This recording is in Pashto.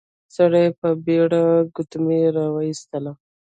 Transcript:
سړی په بېړه ګوتمی راويستلې.